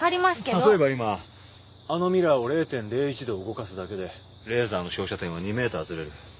例えば今あのミラーを０．０１度動かすだけでレーザーの照射点は２メートルずれる。